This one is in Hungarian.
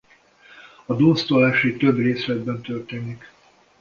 A dunsztolási több részletben történik.